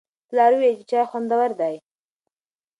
پلار وویل چې چای خوندور دی.